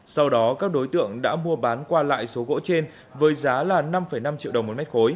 sau đó các đối tượng đã mua bán qua lại số gỗ trên với giá là năm năm triệu đồng một mét khối